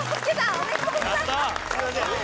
おめでとうございます。